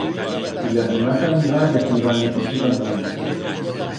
Y las demás amigas deciban ixo tamién.